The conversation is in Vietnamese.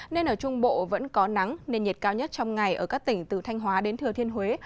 nên ở trung bộ vẫn có nắng nên nhiệt cao nhất trong ngày ở các tỉnh từ thanh hóa đến thừa thiên huế